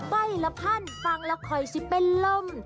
ใบ้ละพันฟังละคอยสิเป็นลม